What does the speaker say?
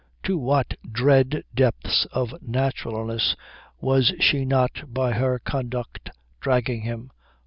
To what dread depths of naturalness was she not by her conduct dragging him?